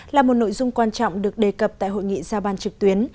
là một nội dung quan trọng được đề cập tại hội nghị giao ban trực tuyến